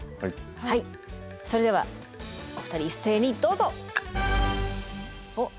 はいそれではお二人一斉にどうぞ！